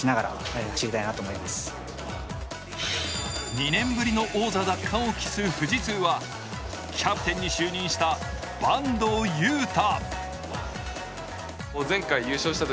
２年ぶりの王座奪還を期す富士通はキャプテンに就任した坂東悠汰。